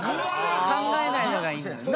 考えないのがいいんだ。